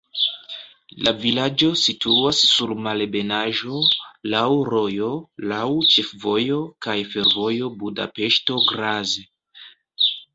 La vilaĝo situas sur malebenaĵo, laŭ rojo, laŭ ĉefvojo kaj fervojo Budapeŝto-Graz.